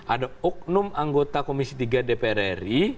ada oknum anggota komisi tiga dpr ri